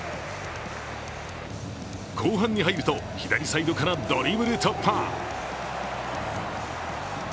後半に入ると、左サイドからドリブル突破。